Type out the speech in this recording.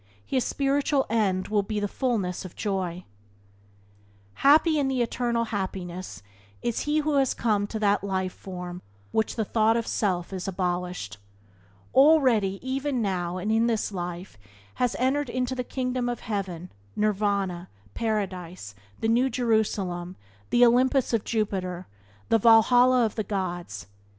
His spiritual end will be the fullness of joy. Byways to Blessedness by James Allen 70 Happy in the Eternal Happiness is he who has come to that Life from which the thought of self is abolished. Already, even now and in this life, he has entered the Kingdom of Heaven, Nirvana, Paradise, the New Jerusalem, the Olympus of Jupiter, the Valhalla of the Gods.